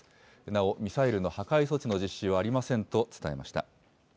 なおミサイルの破壊措置の実施はありませんと伝えました。